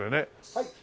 はい。